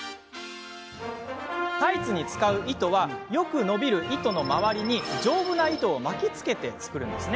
タイツに使う糸はよく伸びる糸の周りに丈夫な糸を巻きつけて作ります。